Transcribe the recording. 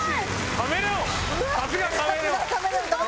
カメレオン！